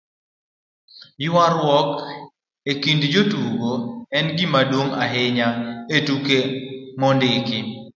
ywaruok e kind jotugo en gimaduong' ahinya e tuke mondiki